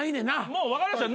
もう分かりました。